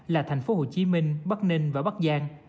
là tp hcm bắc ninh và tp hcm